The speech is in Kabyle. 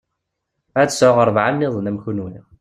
Ad sɛuɣ rebɛa nniḍen am kunwi.